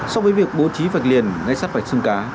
so với việc bố trí vạch liền ngay sát vạch xương cá